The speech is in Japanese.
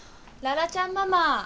羅羅ちゃんママ。